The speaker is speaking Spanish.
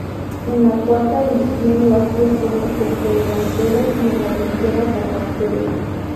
En la cuarta división lo hacía como centrodelantero y en la tercera como arquero.